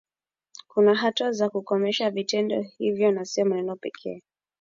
kuna hatua za kukomesha vitendo hivyo na sio maneno pekee